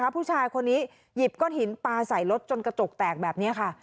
ผู้ชายคนนี้หยิบก้อนหินปลาใส่รถจนกระจกแตกแบบนี้ค่ะ